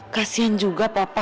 kasian juga papa